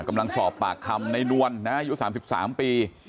กำลังสอบปากคำในนวลนะอายุ๓๓ปี